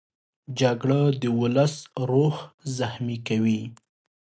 جګړه د ولس روح زخمي کوي